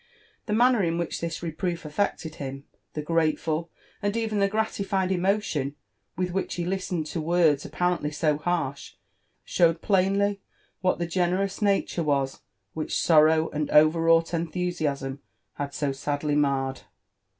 The manner iu which this reproof affected him — the grateful, and even the gratified emotion with which he listened to words apparently so harsh, showed plainly what the generous nature was, which sorrow and over wrought enthusiasm had so sadly marred.